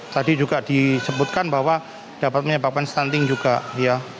tadi juga disebutkan bahwa dapat menyebabkan stunting juga ya